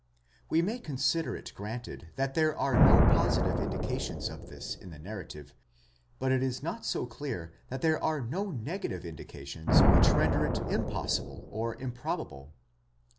We may consider it granted that there are no positive indications of this in the narrative; but it is not so clear that there are no negative indications which render it impossible or improbable.